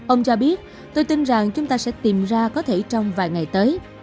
ông cho biết tôi tin rằng chúng ta sẽ tìm ra có thể trong vài ngày tới